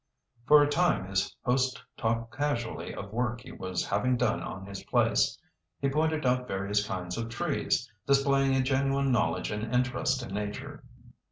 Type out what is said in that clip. For a time his host talked casually of work he was having done on his place. He pointed out various kinds of trees, displaying a genuine knowledge and interest in nature.